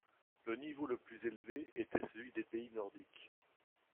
Le niveau le plus élevé était celui des pays nordiques.